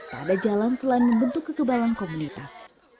tak ada jalan selain membentuk kekebayang komunitas